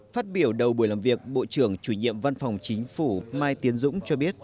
phát biểu đầu buổi làm việc bộ trưởng chủ nhiệm văn phòng chính phủ mai tiến dũng cho biết